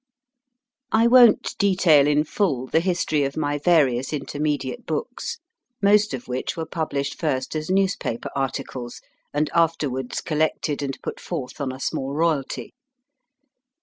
I won t detail in full the history of my various inter mediate books, most of which were published first as news paper articles, and afterwards collected and put forth on a small royalty.